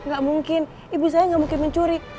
gak mungkin ibu saya nggak mungkin mencuri